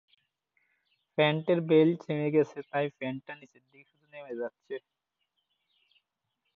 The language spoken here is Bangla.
আমাদের মস্তিষ্ক এসব তথ্য রিসেপ্টর থেকে জোগাড় করে যাতে বিভিন্ন তরঙ্গদৈর্ঘ্যের বিভিন্ন আলোকে দেখা যেতে পারে।